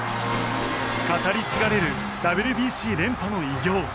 語り継がれるＷＢＣ連覇の偉業。